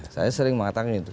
saya sering mengatakan itu